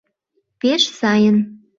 — Пеш сайын.